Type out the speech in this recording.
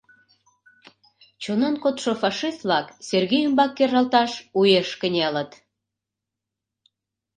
Чонан кодшо фашист-влак Сергей ӱмбак кержалташ уэш кынелыт.